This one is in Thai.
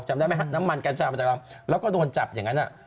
จำได้ไหมฮะน้ำมันกัญชามาจากลำแล้วก็โดนจับอย่างนั้น